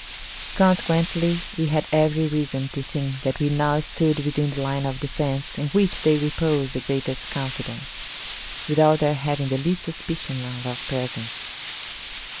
Consequently, we had every reason to think that we now stood within the line of defence, in which they reposed the greatest confidence, without their having the least suspicion of our presence.